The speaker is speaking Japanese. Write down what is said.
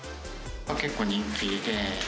結構、人気で。